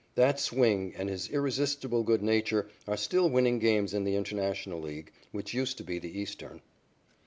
That swing and his irresistible good nature are still winning games in the International League, which used to be the Eastern.